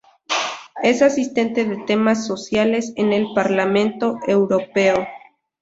Es asistente de temas sociales en el parlamento europeo.